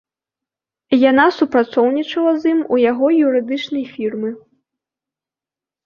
Яна супрацоўнічала з ім у яго юрыдычнай фірмы.